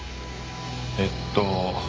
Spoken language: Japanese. えっと。